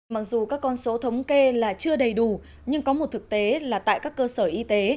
mặc dù các con số thống kê là chưa đầy đủ nhưng có một thực tế là tại các cơ sở y tế